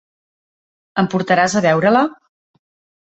Em portaràs a veure-la?